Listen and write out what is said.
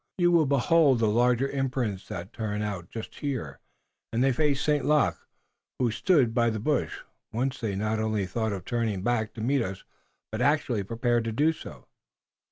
You will behold the larger imprints that turn out just here, and they face St. Luc, who stood by the bush. Once they not only thought of turning back to meet us, but actually prepared to do so."